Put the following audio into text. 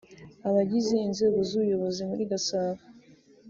Abagize inzego z’ubuyobozi muri Gasabo